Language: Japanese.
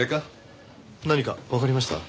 何かわかりました？